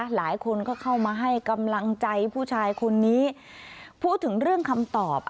หลายคนก็เข้ามาให้กำลังใจผู้ชายคนนี้พูดถึงเรื่องคำตอบ